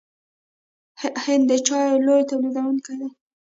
هند د چایو لوی تولیدونکی دی.